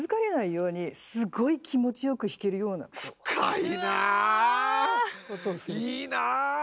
いいなあ。